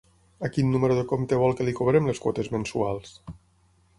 A quin número de compte vol que li cobrem les quotes mensuals?